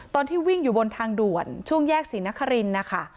ตอนที่วิ่งอยู่บนทางด่วนช่วงแยกศรีนครินนะคะ